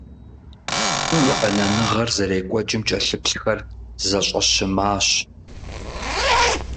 Бэнэныгъэр зэрекӀуэкӀым кӀэлъыплъхэр зэщӀэщымащ.